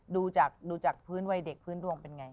ดูจากพื้นวัยเด็กพื้นดวงเป็นไง